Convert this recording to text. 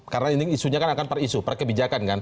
karena ini isunya akan per isu per kebijakan kan